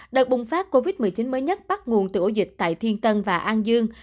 đợt bùng phát covid một mươi chín mới nhất bắt nguồn từ ổ dịch tại thiên tân và an dương